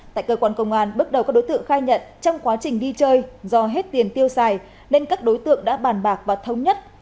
tại cơ quan công an bước đầu các đối tượng khai nhận trong quá trình đi chơi do hết tiền tiêu xài nên các đối tượng đã bàn bạc và thống nhất